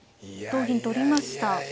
同銀取りました。